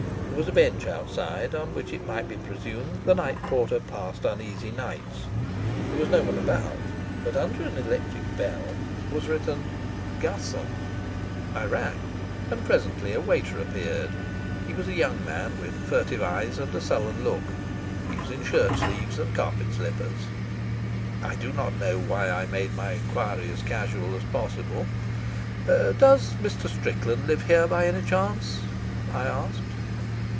There was a bench outside, on which it might be presumed the night porter passed uneasy nights. There was no one about, but under an electric bell was written I rang, and presently a waiter appeared. He was a young man with furtive eyes and a sullen look. He was in shirt sleeves and carpet slippers. I do not know why I made my enquiry as casual as possible. "Does Mr. Strickland live here by any chance?" I asked.